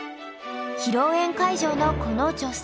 披露宴会場のこの女性。